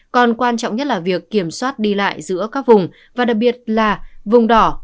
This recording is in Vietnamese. còn quan trọng nhất là việc kiểm soát đi lại giữa các vùng và đặc biệt là vùng đỏ